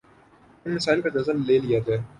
ان مسائل کا جائزہ لے لیا جائے